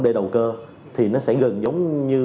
để đầu cơ thì nó sẽ gần giống như